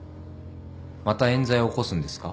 また冤罪を起こすんですか？